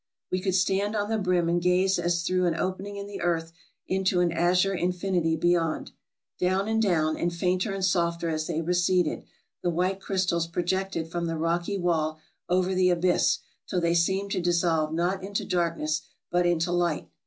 We could stand on the brim and gaze as through an opening in the earth into an azure infinity beyond. Down and down, and fainter and softer as they receded, the white crystals projected from the rocky wall over the abyss, till they seemed to dissolve not into darkness but into light.